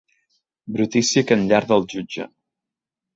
Brutícia que enllarda el jutge.